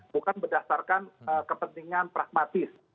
bukan berdasarkan kepentingan pragmatis